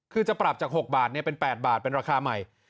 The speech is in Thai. คือจะปรับจาก๖บาทเป็น๘บาทเป็นราคาใหม่